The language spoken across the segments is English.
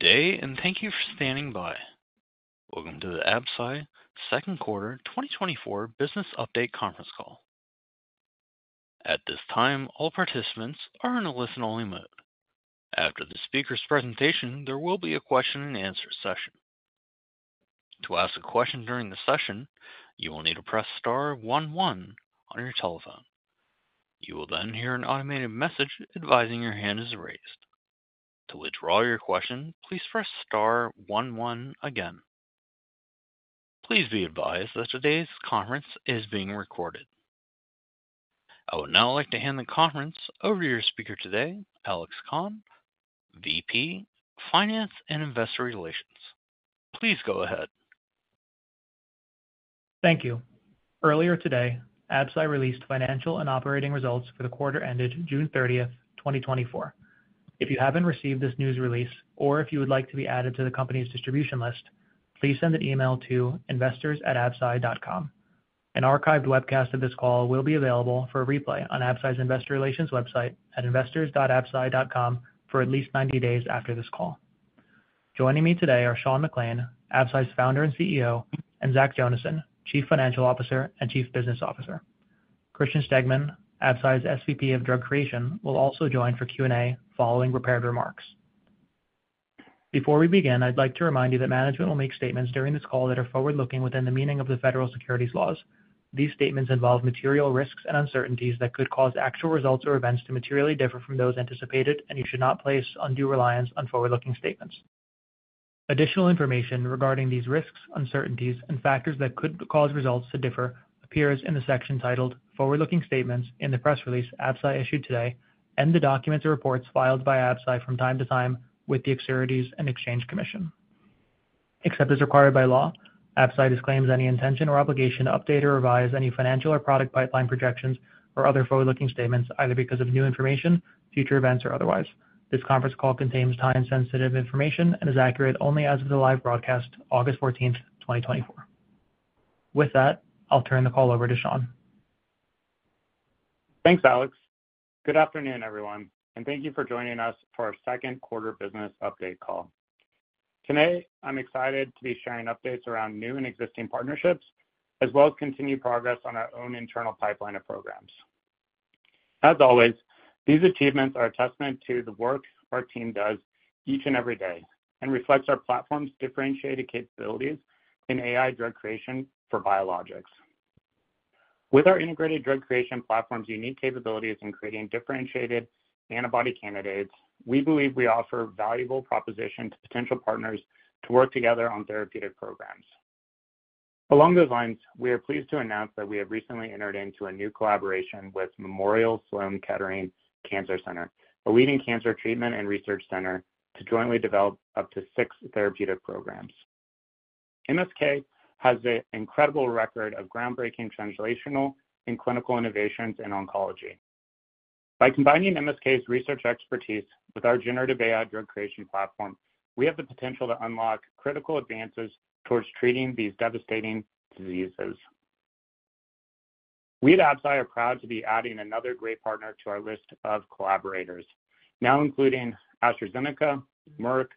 Good day, and thank you for standing by. Welcome to the Absci Second Quarter 2024 Business Update Conference Call. At this time, all participants are in a listen-only mode. After the speaker's presentation, there will be a question and answer session. To ask a question during the session, you will need to press star one one on your telephone. You will then hear an automated message advising your hand is raised. To withdraw your question, please press star one one again. Please be advised that today's conference is being recorded. I would now like to hand the conference over to your speaker today, Alex Khan, VP, Finance and Investor Relations. Please go ahead. Thank you. Earlier today, Absci released financial and operating results for the quarter ended June 30, 2024. If you haven't received this news release or if you would like to be added to the company's distribution list, please send an email to investors@absci.com. An archived webcast of this call will be available for a replay on Absci's Investor Relations website at investors.absci.com for at least 90 days after this call. Joining me today are Sean McClain, Absci's Founder and CEO, and Zach Jonasson, Chief Financial Officer and Chief Business Officer. Christian Stegmann, Absci's SVP of Drug Creation, will also join for Q&A following prepared remarks. Before we begin, I'd like to remind you that management will make statements during this call that are forward-looking within the meaning of the federal securities laws. These statements involve material risks and uncertainties that could cause actual results or events to materially differ from those anticipated, and you should not place undue reliance on forward-looking statements. Additional information regarding these risks, uncertainties, and factors that could cause results to differ appears in the section titled "Forward-Looking Statements" in the press release Absci issued today, and the documents and reports filed by Absci from time to time with the Securities and Exchange Commission. Except as required by law, Absci disclaims any intention or obligation to update or revise any financial or product pipeline projections or other forward-looking statements, either because of new information, future events, or otherwise. This conference call contains time-sensitive information and is accurate only as of the live broadcast, August 14, 2024. With that, I'll turn the call over to Sean. Thanks, Alex. Good afternoon, everyone, and thank you for joining us for our second quarter business update call. Today, I'm excited to be sharing updates around new and existing partnerships, as well as continued progress on our own internal pipeline of programs. As always, these achievements are a testament to the work our team does each and every day and reflects our platform's differentiated capabilities in AI drug creation for biologics. With our Integrated Drug Creation Platform's unique capabilities in creating differentiated antibody candidates, we believe we offer valuable proposition to potential partners to work together on therapeutic programs. Along those lines, we are pleased to announce that we have recently entered into a new collaboration with Memorial Sloan Kettering Cancer Center, a leading cancer treatment and research center, to jointly develop up to six therapeutic programs. MSK has an incredible record of groundbreaking translational and clinical innovations in oncology. By combining MSK's research expertise with our generative AI drug creation platform, we have the potential to unlock critical advances towards treating these devastating diseases. We at Absci are proud to be adding another great partner to our list of collaborators, now including AstraZeneca, Merck,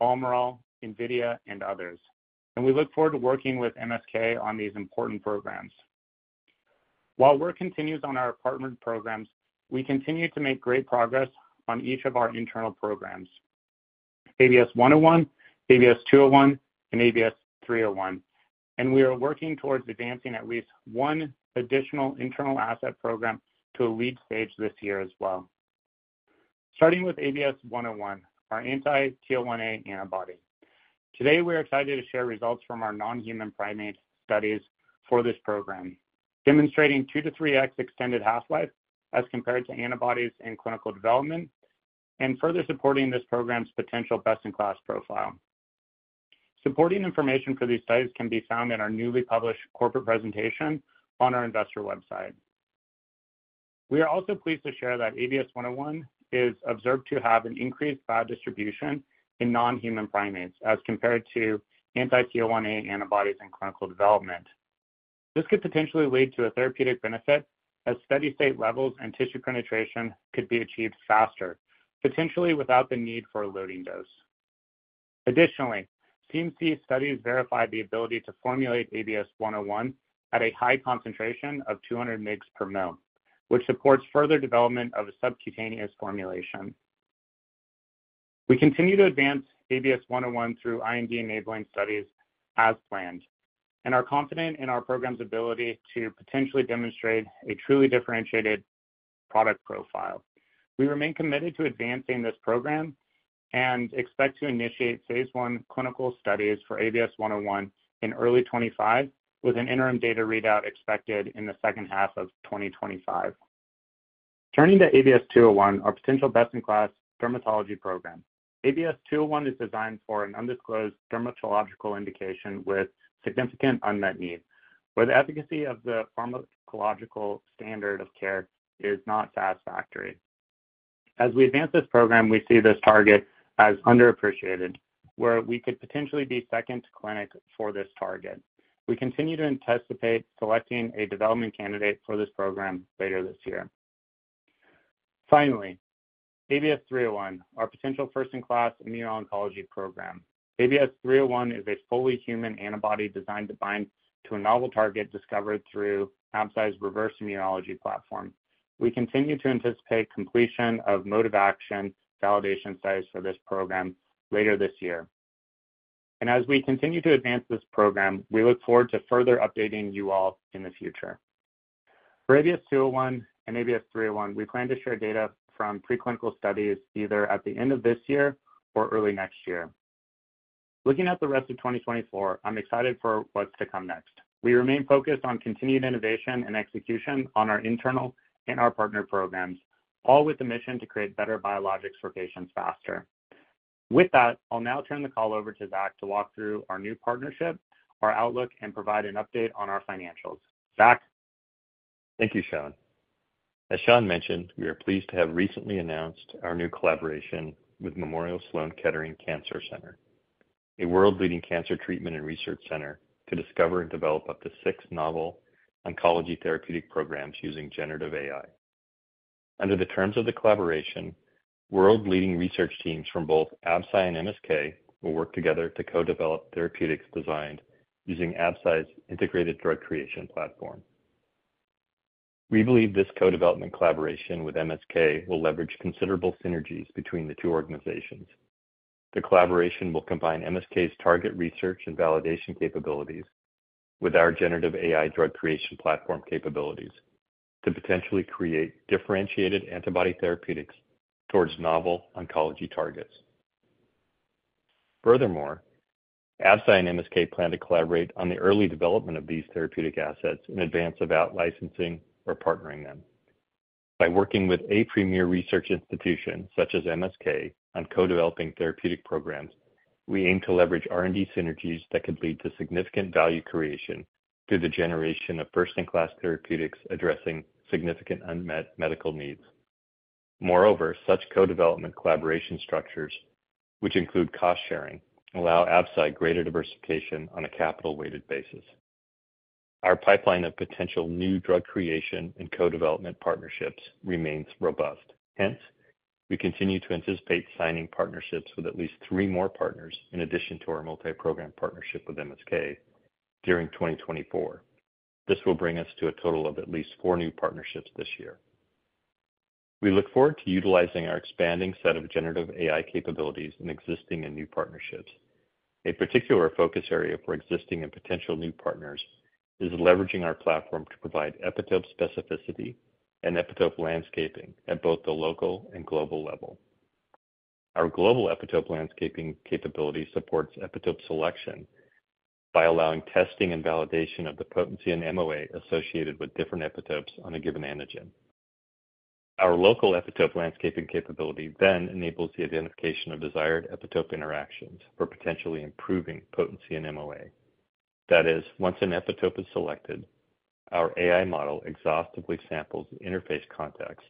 Almirall, NVIDIA, and others, and we look forward to working with MSK on these important programs. While work continues on our partnered programs, we continue to make great progress on each of our internal programs, ABS-101, ABS-201, and ABS-301, and we are working towards advancing at least one additional internal asset program to a lead stage this year as well. Starting with ABS-101, our anti-TL1A antibody. Today, we are excited to share results from our non-human primate studies for this program, demonstrating 2-3x extended half-life as compared to antibodies in clinical development and further supporting this program's potential best-in-class profile. Supporting information for these studies can be found in our newly published corporate presentation on our investor website. We are also pleased to share that ABS-101 is observed to have an increased biodistribution in non-human primates as compared to anti-TL1A antibodies in clinical development. This could potentially lead to a therapeutic benefit, as steady-state levels and tissue penetration could be achieved faster, potentially without the need for a loading dose. Additionally, CMC studies verify the ability to formulate ABS-101 at a high concentration of 200 mg/ml, which supports further development of a subcutaneous formulation. We continue to advance ABS-101 through IND-enabling studies as planned and are confident in our program's ability to potentially demonstrate a truly differentiated product profile. We remain committed to advancing this program and expect to initiate Phase 1 clinical studies for ABS-101 in early 2025, with an interim data readout expected in the second half of 2025. Turning to ABS-201, our potential best-in-class dermatology program. ABS-201 is designed for an undisclosed dermatological indication with significant unmet need, where the efficacy of the pharmacological standard of care is not satisfactory. As we advance this program, we see this target as underappreciated, where we could potentially be second to clinic for this target. We continue to anticipate selecting a development candidate for this program later this year. Finally, ABS-301, our potential first-in-class immuno-oncology program. ABS-301 is a fully human antibody designed to bind to a novel target discovered through Absci's Reverse Immunology platform. We continue to anticipate completion of mechanism of action validation studies for this program later this year. As we continue to advance this program, we look forward to further updating you all in the future. For ABS-201 and ABS-301, we plan to share data from preclinical studies either at the end of this year or early next year. Looking at the rest of 2024, I'm excited for what's to come next. We remain focused on continued innovation and execution on our internal and our partner programs, all with the mission to create better biologics for patients faster. With that, I'll now turn the call over to Zach to walk through our new partnership, our outlook, and provide an update on our financials. Zach? Thank you, Sean. As Sean mentioned, we are pleased to have recently announced our new collaboration with Memorial Sloan Kettering Cancer Center, a world-leading cancer treatment and research center, to discover and develop up to six novel oncology therapeutic programs using generative AI. Under the terms of the collaboration, world-leading research teams from both Absci and MSK will work together to co-develop therapeutics designed using Absci's integrated drug creation platform. We believe this co-development collaboration with MSK will leverage considerable synergies between the two organizations. The collaboration will combine MSK's target research and validation capabilities with our generative AI drug creation platform capabilities to potentially create differentiated antibody therapeutics towards novel oncology targets. Furthermore, Absci and MSK plan to collaborate on the early development of these therapeutic assets in advance of out-licensing or partnering them. By working with a premier research institution such as MSK on co-developing therapeutic programs, we aim to leverage R&D synergies that could lead to significant value creation through the generation of first-in-class therapeutics addressing significant unmet medical needs. Moreover, such co-development collaboration structures, which include cost-sharing, allow Absci greater diversification on a capital-weighted basis. Our pipeline of potential new drug creation and co-development partnerships remains robust. Hence, we continue to anticipate signing partnerships with at least three more partners in addition to our multi-program partnership with MSK during 2024. This will bring us to a total of at least four new partnerships this year. We look forward to utilizing our expanding set of generative AI capabilities in existing and new partnerships. A particular focus area for existing and potential new partners is leveraging our platform to provide epitope specificity and epitope landscaping at both the local and global level. Our global epitope landscaping capability supports epitope selection by allowing testing and validation of the potency and MoA associated with different epitopes on a given antigen. Our local epitope landscaping capability then enables the identification of desired epitope interactions for potentially improving potency and MoA. That is, once an epitope is selected, our AI model exhaustively samples interface contacts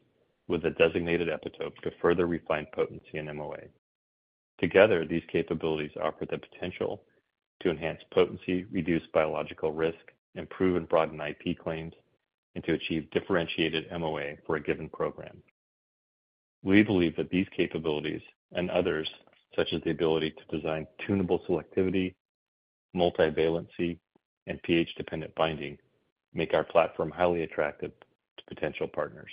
with a designated epitope to further refine potency and MoA. Together, these capabilities offer the potential to enhance potency, reduce biological risk, improve and broaden IP claims, and to achieve differentiated MoA for a given program. We believe that these capabilities and others, such as the ability to design tunable selectivity, multivalency, and pH-dependent binding, make our platform highly attractive to potential partners.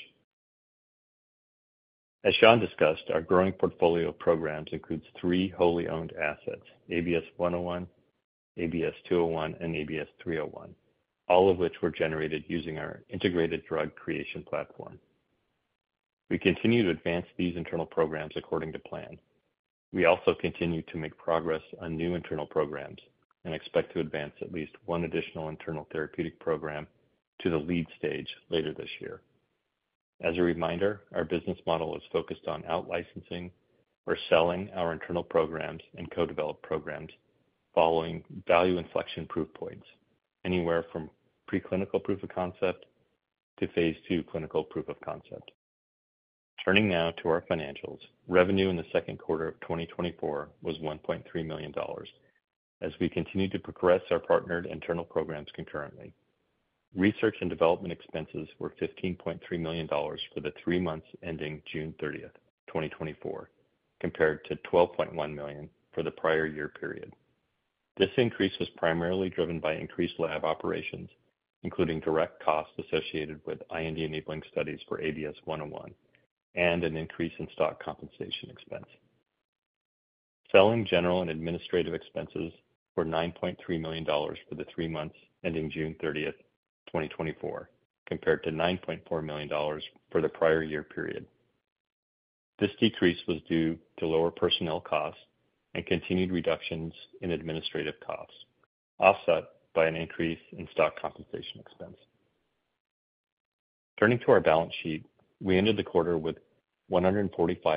As Sean discussed, our growing portfolio of programs includes three wholly owned assets, ABS-101, ABS-201, and ABS-301, all of which were generated using our integrated drug creation platform. We continue to advance these internal programs according to plan. We also continue to make progress on new internal programs and expect to advance at least one additional internal therapeutic program to the lead stage later this year. As a reminder, our business model is focused on out-licensing or selling our internal programs and co-developed programs following value inflection proof points, anywhere from preclinical proof of concept to Phase 2 clinical proof of concept. Turning now to our financials. Revenue in the second quarter of 2024 was $1.3 million as we continued to progress our partnered internal programs concurrently. Research and development expenses were $15.3 million for the three months ending June 30th, 2024, compared to $12.1 million for the prior year period. This increase was primarily driven by increased lab operations, including direct costs associated with IND-enabling studies for ABS-101, and an increase in stock compensation expense. Selling, general, and administrative expenses were $9.3 million for the three months ending June 30, 2024, compared to $9.4 million for the prior year period. This decrease was due to lower personnel costs and continued reductions in administrative costs, offset by an increase in stock compensation expense. Turning to our balance sheet, we ended the quarter with $145.2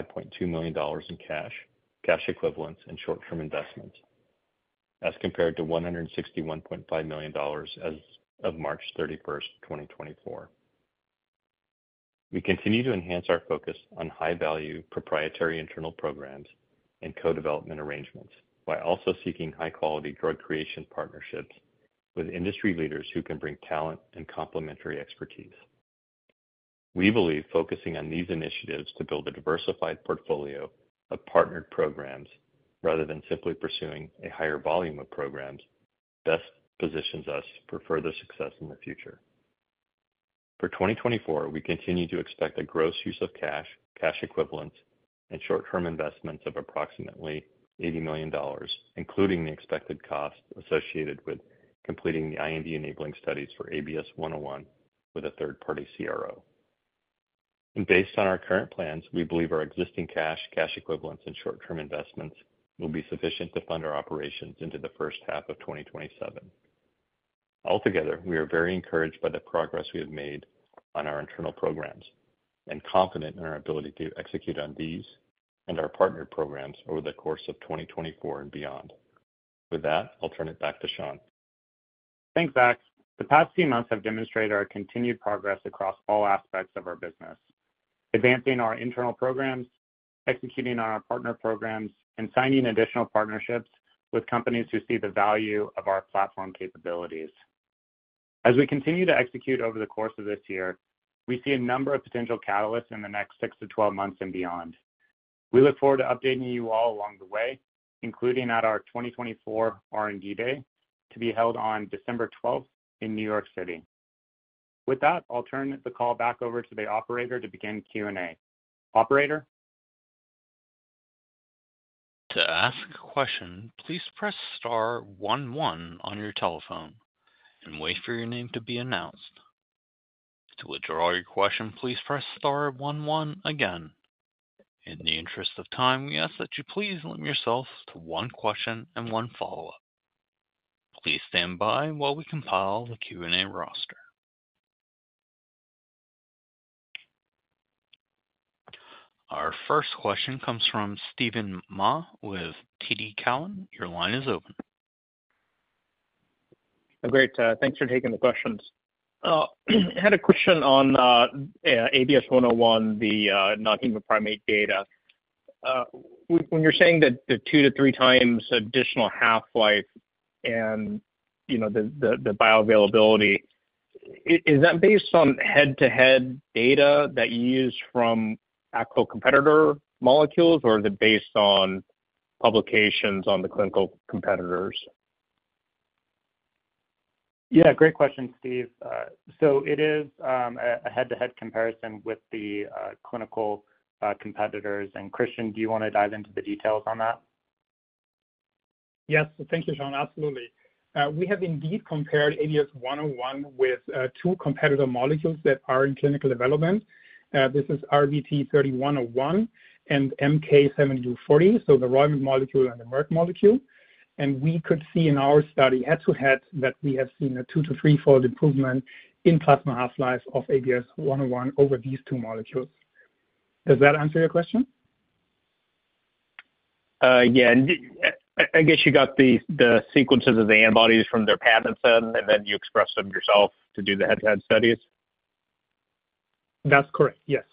million in cash, cash equivalents, and short-term investments, as compared to $161.5 million as of March 31, 2024. We continue to enhance our focus on high-value, proprietary internal programs and co-development arrangements, while also seeking high-quality drug creation partnerships with industry leaders who can bring talent and complementary expertise. We believe focusing on these initiatives to build a diversified portfolio of partnered programs rather than simply pursuing a higher volume of programs, best positions us for further success in the future. For 2024, we continue to expect a gross use of cash, cash equivalents, and short-term investments of approximately $80 million, including the expected costs associated with completing the IND-enabling studies for ABS-101 with a third-party CRO. Based on our current plans, we believe our existing cash, cash equivalents, and short-term investments will be sufficient to fund our operations into the first half of 2027. Altogether, we are very encouraged by the progress we have made on our internal programs and confident in our ability to execute on these and our partner programs over the course of 2024 and beyond. With that, I'll turn it back to Sean. Thanks, Zach. The past few months have demonstrated our continued progress across all aspects of our business, advancing our internal programs, executing on our partner programs, and signing additional partnerships with companies who see the value of our platform capabilities. As we continue to execute over the course of this year, we see a number of potential catalysts in the next 6 to 12 months and beyond. We look forward to updating you all along the way, including at our 2024 R&D Day, to be held on December 12th in New York City. With that, I'll turn the call back over to the operator to begin Q&A. Operator? To ask a question, please press star one one on your telephone and wait for your name to be announced. To withdraw your question, please press star one one again. In the interest of time, we ask that you please limit yourself to one question and one follow-up. Please stand by while we compile the Q&A roster. Our first question comes from Steven Mah with TD Cowen. Your line is open. Great, thanks for taking the questions. I had a question on ABS-101, the non-human primate data. When you're saying that the 2-3 times additional half-life and, you know, the bioavailability, is that based on head-to-head data that you use from actual competitor molecules, or is it based on publications on the clinical competitors? Yeah, great question, Steve. So it is a head-to-head comparison with the clinical competitors. And Christian, do you want to dive into the details on that? Yes. Thank you, Sean. Absolutely. We have indeed compared ABS-101 with two competitor molecules that are in clinical development. This is RVT-3101 and MK-7240, so the Roivant molecule and the Merck molecule. We could see in our study, head-to-head, that we have seen a 2- to 3-fold improvement in plasma half-life of ABS-101 over these two molecules. Does that answer your question? Yeah, and I, I guess you got the, the sequences of the antibodies from their patent then, and then you expressed them yourself to do the head-to-head studies? That's correct, yes.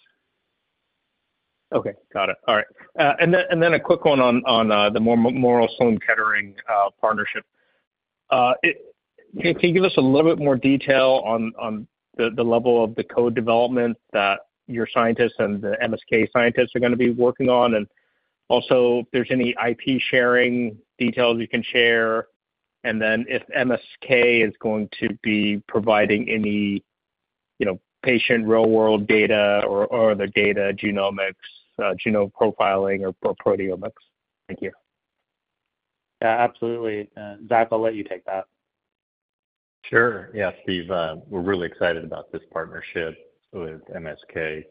Okay, got it. All right. And then a quick one on the Memorial Sloan Kettering partnership. Can you give us a little bit more detail on the level of the co-development that your scientists and the MSK scientists are going to be working on? And also, if there's any IP sharing details you can share, and then if MSK is going to be providing any, you know, patient real-world data or other data genomics, genome profiling or proteomics. Thank you. Yeah, absolutely. Zach, I'll let you take that. Sure. Yeah, Steve, we're really excited about this partnership with MSK.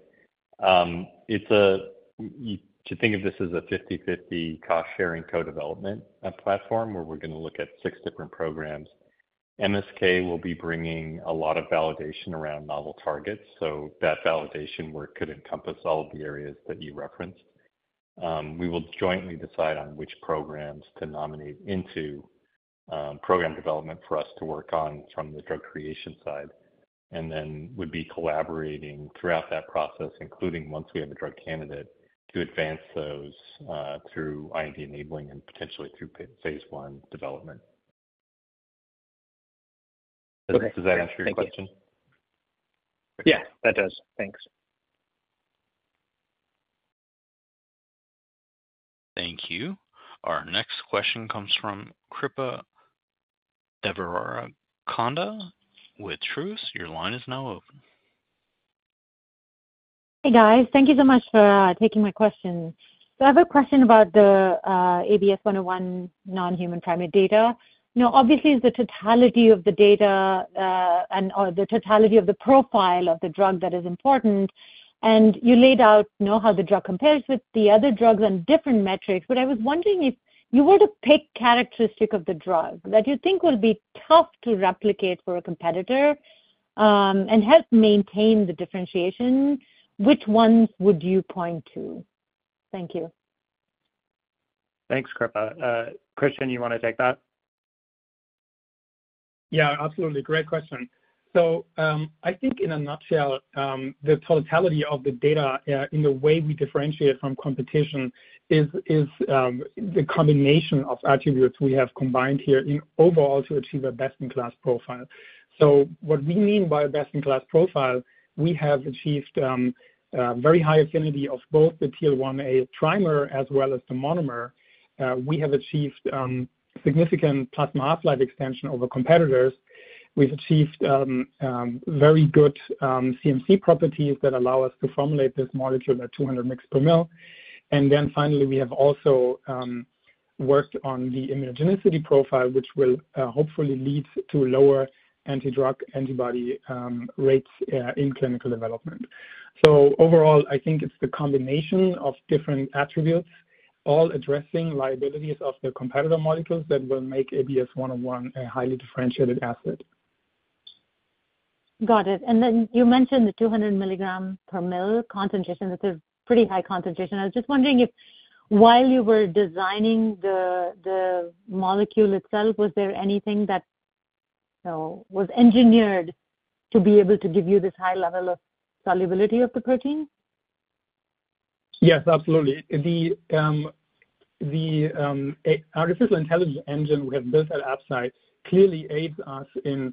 It's a way to think of this as a 50/50 cost-sharing co-development platform, where we're going to look at six different programs. MSK will be bringing a lot of validation around novel targets, so that validation work could encompass all of the areas that you referenced. We will jointly decide on which programs to nominate into program development for us to work on from the drug creation side, and then would be collaborating throughout that process, including once we have a drug candidate, to advance those through IND-enabling and potentially through Phase 1 development. Okay. Does that answer your question? Yeah, that does. Thanks. Thank you. Our next question comes from Kripa Devarakonda with Truist. Your line is now open. Hey, guys. Thank you so much for taking my question. So I have a question about the ABS-101 non-human primate data. You know, obviously, it's the totality of the data, and/or the totality of the profile of the drug that is important, and you laid out, you know, how the drug compares with the other drugs on different metrics. But I was wondering, if you were to pick characteristic of the drug that you think will be tough to replicate for a competitor, and help maintain the differentiation, which ones would you point to? Thank you. Thanks, Kripa. Christian, you want to take that? Yeah, absolutely. Great question. So, I think in a nutshell, the totality of the data, in the way we differentiate from competition is, is, the combination of attributes we have combined here in overall to achieve a best-in-class profile. So what we mean by a best-in-class profile, we have achieved, very high affinity of both the TL1A trimer as well as the monomer. We have achieved, significant plasma half-life extension over competitors. We've achieved, very good, CMC properties that allow us to formulate this molecule at 200 mgs per ml. And then finally, we have also, worked on the immunogenicity profile, which will, hopefully lead to lower anti-drug antibody, rates, in clinical development. Overall, I think it's the combination of different attributes, all addressing liabilities of the competitor molecules that will make ABS-101 a highly differentiated asset. Got it. Then you mentioned the 200 milligram per mL concentration. That's a pretty high concentration. I was just wondering if, while you were designing the molecule itself, was there anything that, you know, was engineered to be able to give you this high level of solubility of the protein? Yes, absolutely. The artificial intelligence engine we have built at Absci clearly aids us in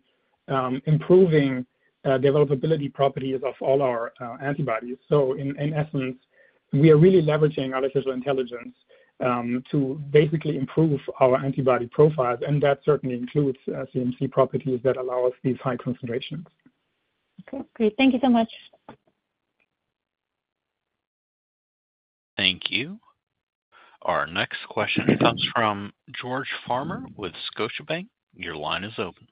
improving developability properties of all our antibodies. So in essence, we are really leveraging artificial intelligence to basically improve our antibody profiles, and that certainly includes CMC properties that allow us these high concentrations. Okay, great. Thank you so much. Thank you. Our next question comes from George Farmer with Scotiabank. Your line is open.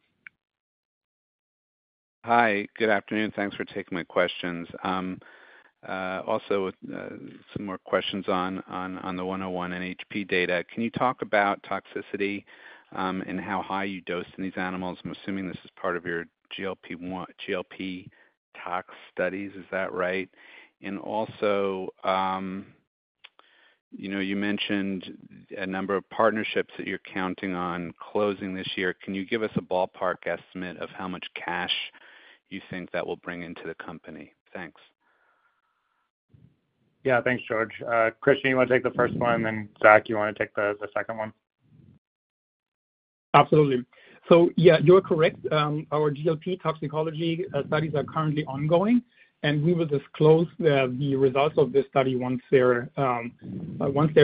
Hi, good afternoon. Thanks for taking my questions. Also, some more questions on the 101 NHP data. Can you talk about toxicity and how high you dose in these animals? I'm assuming this is part of your GLP tox studies. Is that right? And also, you know, you mentioned a number of partnerships that you're counting on closing this year. Can you give us a ballpark estimate of how much cash you think that will bring into the company? Thanks. Yeah, thanks, George. Christian, you want to take the first one, and then, Zach, you want to take the second one? Absolutely. So yeah, you're correct. Our GLP toxicology studies are currently ongoing, and we will disclose the results of this study once they're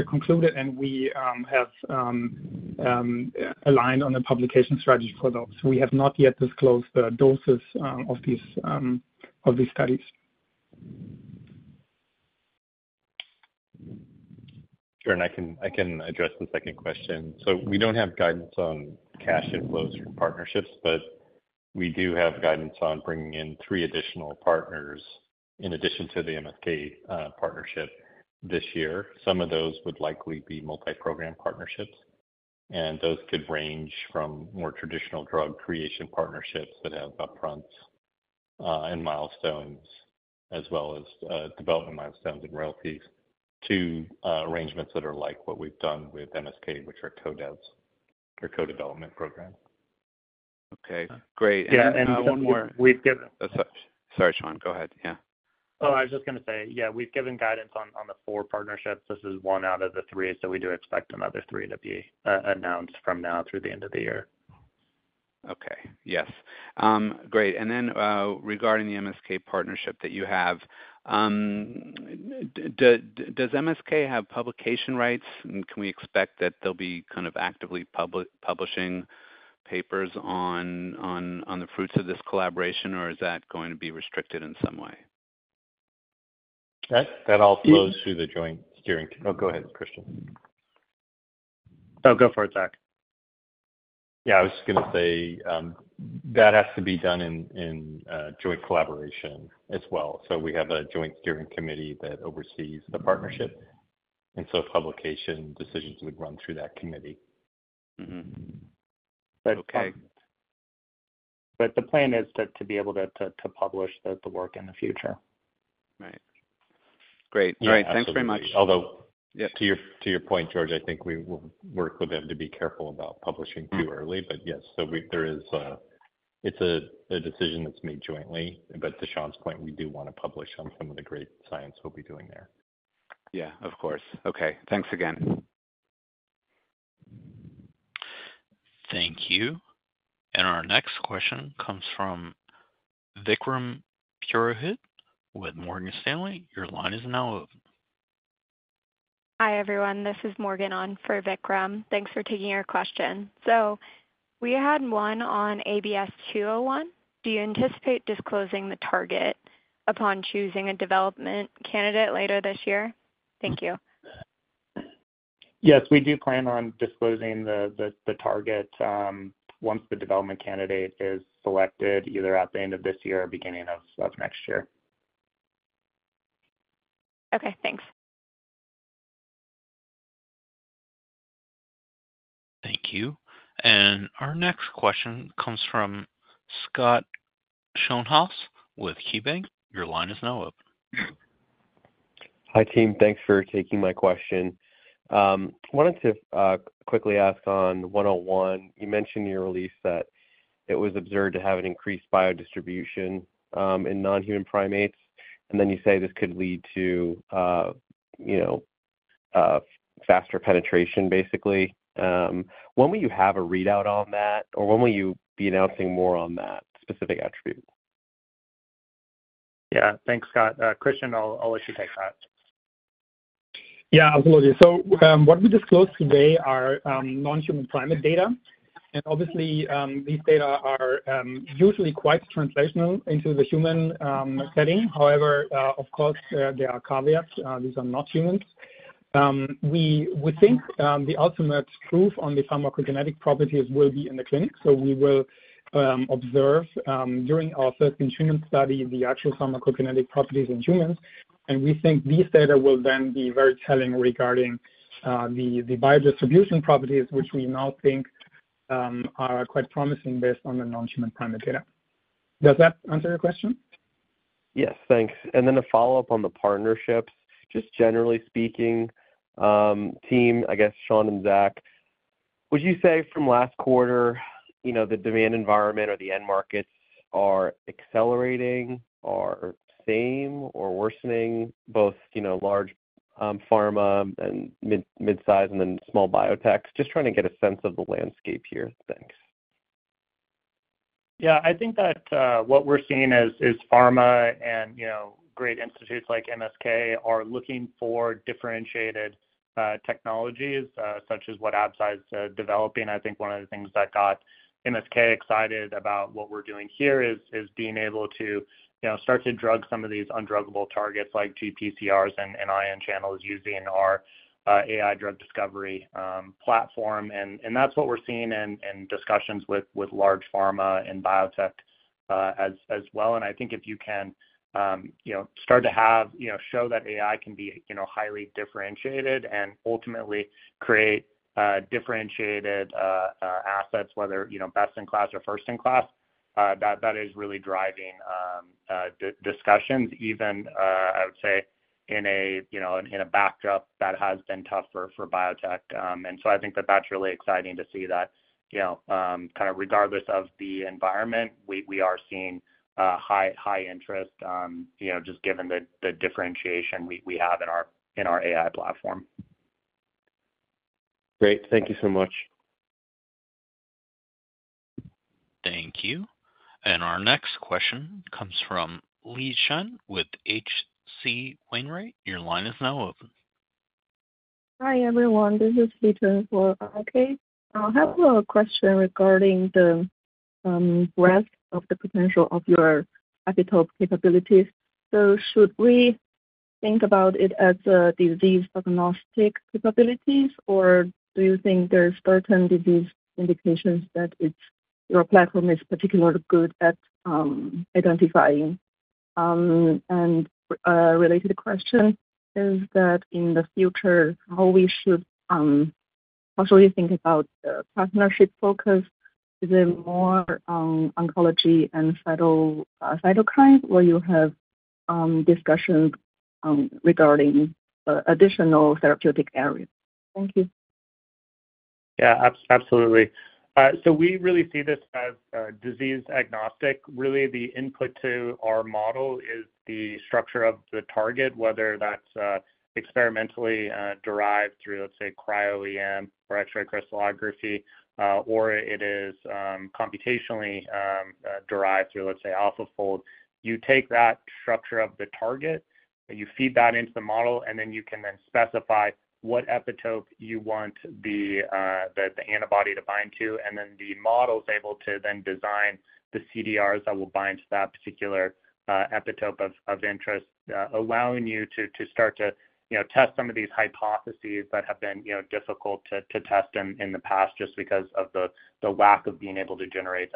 concluded, and we have aligned on a publication strategy for those. We have not yet disclosed the doses of these studies. Sure. I can address the second question. So we don't have guidance on cash inflows from partnerships, but we do have guidance on bringing in three additional partners, in addition to the MSK partnership this year. Some of those would likely be multi-program partnerships, and those could range from more traditional drug creation partnerships that have upfront and milestones, as well as development milestones and royalties, to arrangements that are like what we've done with MSK, which are co-devs or co-development programs. Okay, great. Yeah, and. One more. We've given. Sorry, Sean, go ahead. Yeah. Oh, I was just going to say, yeah, we've given guidance on the four partnerships. This is one out of the three, so we do expect another three to be announced from now through the end of the year. Okay. Yes. Great. And then, regarding the MSK partnership that you have, does MSK have publication rights, and can we expect that they'll be kind of actively publishing papers on the fruits of this collaboration, or is that going to be restricted in some way? That, that all flows through the joint steering committee. Oh, go ahead, Christian. Oh, go for it, Zach. Yeah, I was just going to say, that has to be done in joint collaboration as well. So we have a joint steering committee that oversees the partnership, and so publication decisions would run through that committee. Mm-hmm. Okay. But the plan is to be able to publish the work in the future. Right. Great. Yeah, absolutely. All right, thanks very much. Although. Yeah. To your point, George, I think we will work with them to be careful about publishing too early. But yes, so there is a decision that's made jointly, but to Sean's point, we do want to publish on some of the great science we'll be doing there. Yeah, of course. Okay, thanks again. Thank you. And our next question comes from Vikram Purohit with Morgan Stanley. Your line is now open. Hi, everyone. This is Morgan on for Vikram. Thanks for taking our question. So we had one on ABS-201. Do you anticipate disclosing the target upon choosing a development candidate later this year? Thank you. Yes, we do plan on disclosing the target once the development candidate is selected, either at the end of this year or beginning of next year. Okay, thanks. Thank you. And our next question comes from Scott Schoenhaus with KeyBanc. Your line is now open. Hi, team. Thanks for taking my question. Wanted to quickly ask on 101, you mentioned in your release that it was observed to have an increased biodistribution, in non-human primates, and then you say this could lead to, you know, faster penetration, basically. When will you have a readout on that, or when will you be announcing more on that specific attribute? Yeah, thanks, Scott. Christian, I'll let you take that. Yeah, absolutely. So, what we disclosed today are non-human primate data. And obviously, these data are usually quite translational into the human setting. However, of course, there are caveats. These are not humans. We think the ultimate proof on the pharmacokinetic properties will be in the clinic, so we will observe during our first-in-human study the actual pharmacokinetic properties in humans. And we think these data will then be very telling regarding the biodistribution properties, which we now think are quite promising based on the non-human primate data. Does that answer your question? Yes, thanks. And then a follow-up on the partnerships. Just generally speaking, team, I guess Sean and Zach, would you say from last quarter, you know, the demand environment or the end markets are accelerating, or same, or worsening, both, you know, large pharma and mid-size and then small biotechs? Just trying to get a sense of the landscape here. Thanks. Yeah, I think that what we're seeing is pharma and, you know, great institutes like MSK are looking for differentiated technologies such as what Absci is developing. I think one of the things that got MSK excited about what we're doing here is being able to, you know, start to drug some of these undruggable targets, like GPCRs and ion channels using our AI drug discovery platform. And that's what we're seeing in discussions with large pharma and biotech as well. And I think if you can, you know, start to have, you know, show that AI can be, you know, highly differentiated and ultimately create, differentiated, assets, whether, you know, best-in-class or first-in-class, that, that is really driving discussions even, I would say in a, you know, in a backdrop that has been tough for, for biotech. And so I think that that's really exciting to see that, you know, kind of, regardless of the environment, we, we are seeing, high, high interest, you know, just given the, the differentiation we, we have in our, in our AI platform. Great. Thank you so much. Thank you. Our next question comes from Yi Chen with H.C. Wainwright. Your line is now open. Hi, everyone. This is Yi Chen for H.C. I have a question regarding the, breadth of the potential of your epitope capabilities. So should we think about it as a disease-agnostic capabilities, or do you think there's certain disease indications that it's, your platform is particularly good at, identifying? And, a related question is that in the future, how we should, how should we think about the partnership focus? Is it more, oncology and cyto, cytokine, or you have, discussions, regarding, additional therapeutic areas? Thank you. Yeah, absolutely. So we really see this as disease agnostic. Really, the input to our model is the structure of the target, whether that's experimentally derived through, let's say, Cryo-EM or X-ray crystallography, or it is computationally derived through, let's say, AlphaFold. You take that structure of the target, and you feed that into the model, and then you can specify what epitope you want the antibody to bind to, and then the model is able to design the CDRs that will bind to that particular epitope of interest, allowing you to start to, you know, test some of these hypotheses that have been, you know, difficult to test in the past, just because of the lack of being able to generate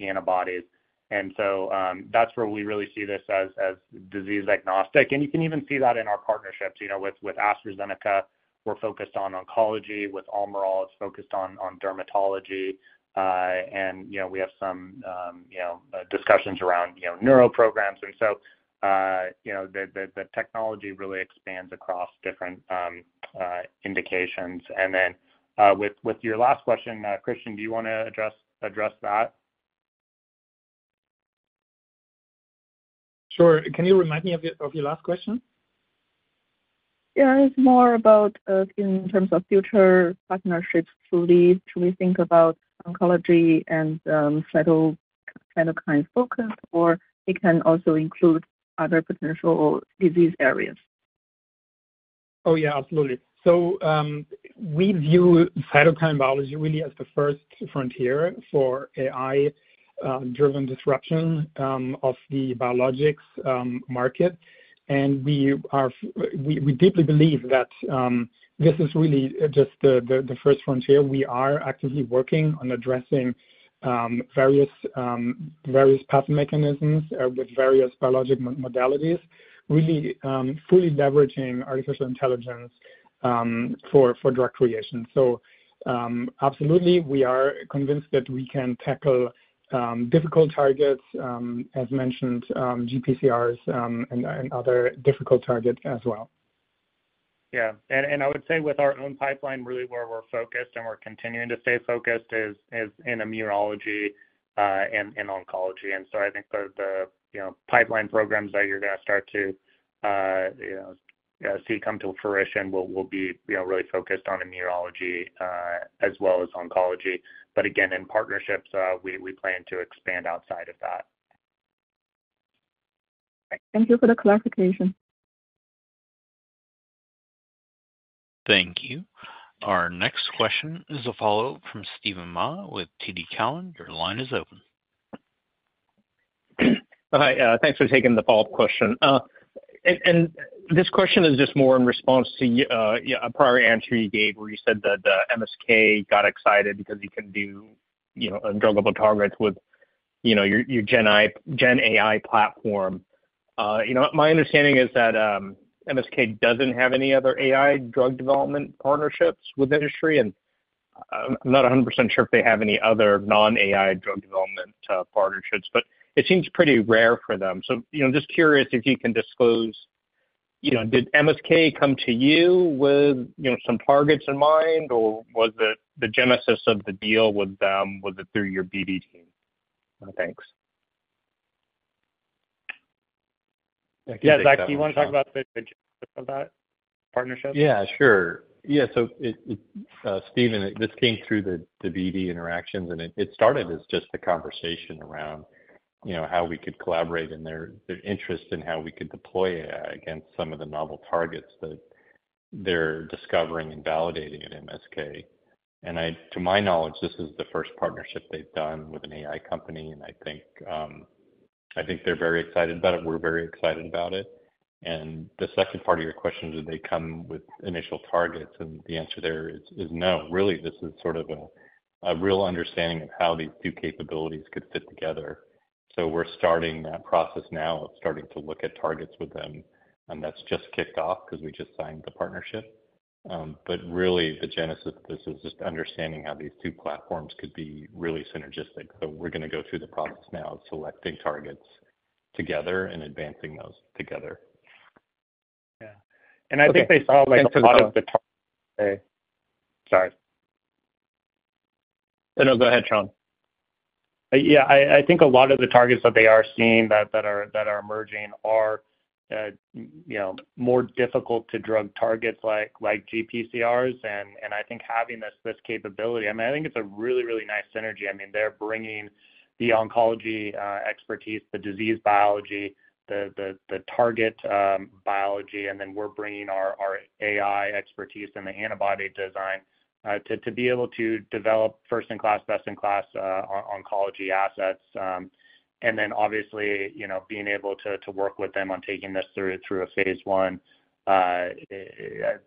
antibodies. And so, that's where we really see this as disease agnostic. And you can even see that in our partnerships. You know, with AstraZeneca, we're focused on oncology. With Almirall, it's focused on dermatology. And, you know, we have some, you know, discussions around, you know, neural programs. And so, you know, the technology really expands across different indications. And then, with your last question, Christian, do you wanna address that? Sure. Can you remind me of your last question? Yeah, it's more about, in terms of future partnerships to lead. Should we think about oncology and, cytokine focus, or it can also include other potential disease areas? Oh, yeah, absolutely. So, we view cytokine biology really as the first frontier for AI driven disruption of the biologics market. And we deeply believe that this is really just the first frontier. We are actively working on addressing various path mechanisms with various biologic modalities, really fully leveraging artificial intelligence for drug creation. So, absolutely, we are convinced that we can tackle difficult targets as mentioned GPCRs and other difficult targets as well. Yeah, and, and I would say with our own pipeline, really where we're focused and we're continuing to stay focused is in immunology, and, and oncology. And so I think the, you know, pipeline programs that you're gonna start to, you know, see come to fruition will be, you know, really focused on immunology, as well as oncology. But again, in partnerships, we plan to expand outside of that. Thank you for the clarification. Thank you. Our next question is a follow-up from Steven Ma with TD Cowen. Your line is open. Hi, thanks for taking the follow-up question. And this question is just more in response to a prior answer you gave, where you said that the MSK got excited because you can do, you know, undruggable targets with, you know, your Gen AI platform. You know, my understanding is that, MSK doesn't have any other AI drug development partnerships with industry, and, I'm not 100% sure if they have any other non-AI drug development, partnerships, but it seems pretty rare for them. So, you know, just curious, if you can disclose, you know, did MSK come to you with, you know, some targets in mind, or was it the genesis of the deal with them, was it through your BD team? Thanks. Yeah, Zach, you wanna talk about partnerships? Yeah, sure. Yeah, so it, Steven, this came through the BD interactions, and it started as just a conversation around, you know, how we could collaborate and their interest in how we could deploy AI against some of the novel targets that they're discovering and validating at MSK. To my knowledge, this is the first partnership they've done with an AI company, and I think, I think they're very excited about it. We're very excited about it. And the second part of your question, did they come with initial targets? And the answer there is no. Really, this is sort of a real understanding of how these two capabilities could fit together. So we're starting that process now of starting to look at targets with them, and that's just kicked off because we just signed the partnership. But really, the genesis of this is just understanding how these two platforms could be really synergistic. So we're gonna go through the process now of selecting targets together and advancing those together. Yeah. And I think they saw, like, a lot of the. Sorry. No, go ahead, Sean. Yeah, I think a lot of the targets that they are seeing that are emerging are, you know, more difficult to drug targets like GPCRs. And I think having this capability, I mean, I think it's a really, really nice synergy. I mean, they're bringing the oncology expertise, the disease biology, the target biology, and then we're bringing our AI expertise and the antibody design to be able to develop first-in-class, best-in-class oncology assets. And then, obviously, you know, being able to work with them on taking this through a Phase 1, I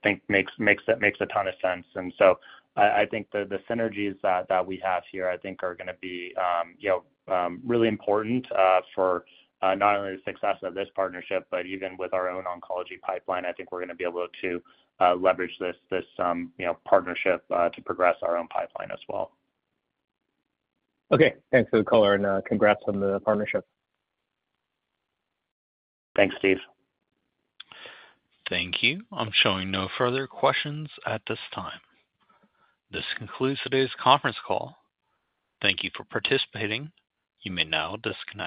think makes a ton of sense. And so I think the synergies that we have here, I think are gonna be, you know, really important for not only the success of this partnership but even with our own oncology pipeline. I think we're gonna be able to leverage this, you know, partnership to progress our own pipeline as well. Okay. Thanks for the call and congrats on the partnership. Thanks, Steve. Thank you. I'm showing no further questions at this time. This concludes today's conference call. Thank you for participating. You may now disconnect.